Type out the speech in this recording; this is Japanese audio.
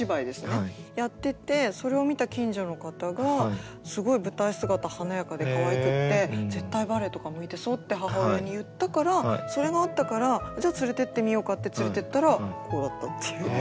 やっててそれを見た近所の方が「すごい舞台姿華やかでかわいくって絶対バレエとか向いてそう」って母親に言ったからそれがあったからじゃあ連れてってみようかって連れてったらこうだったっていう。